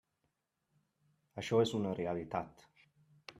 Això és una realitat.